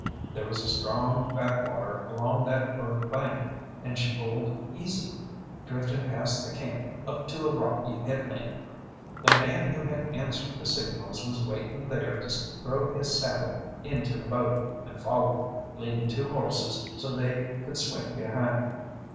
There was a strong backwater along that further bank, and she pulled easy, drifting past the camp up to a rocky headland. The man who had answered the signals was waiting there to throw his saddle into the boat, and follow, leading two horses so they could swim behind.